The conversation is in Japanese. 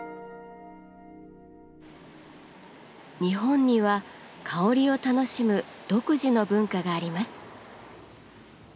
日本には香りを楽しむ独自の文化があります。